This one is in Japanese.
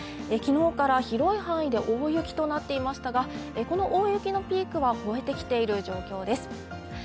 昨日から広い範囲で大雪となっていましたが、この大雪のピークは越えてきている状況です。